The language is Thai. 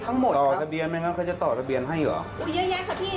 ทั้งหมดต่อทะเบียนไหมครับเขาจะต่อทะเบียนให้เยอะครับพี่